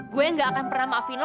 gue gak akan pernah maafin lo